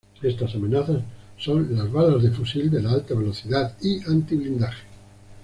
Estas amenazas son las balas de fusil de alta velocidad y antiblindaje.